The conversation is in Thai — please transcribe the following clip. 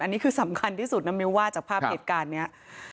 อันนี้คือสำคัญที่สุดนะมิ้วว่าจากภาพเหตุการณ์นี้